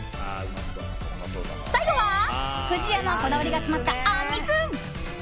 最後は不二家のこだわりが詰まった、あんみつ。